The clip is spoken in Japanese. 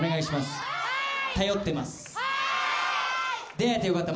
出会えてよかった。